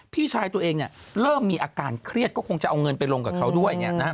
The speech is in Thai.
พี่ชายตัวเองเนี่ยเริ่มมีอาการเครียดก็คงจะเอาเงินไปลงกับเขาด้วย